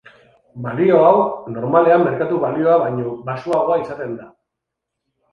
Balio hau, normalean merkatu-balioa baino baxuagoa izaten da.